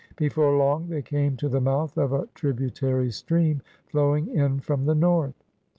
Before long they came to the mouth of a tributary stream flowing in from the north.